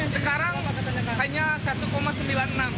sekarang hanya rp satu sembilan ratus